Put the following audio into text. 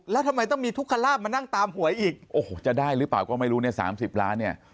แล้วทำไมต้องมีทุกขลาบมานั่งตามหวยอีกโอ้โหจะได้หรือเปล่าก็ไม่รู้เนี่ย๓๐ล้านเนี่ย